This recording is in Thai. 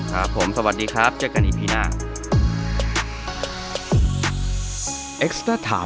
ครับผมสวัสดีครับเจอกันอีพีหน้า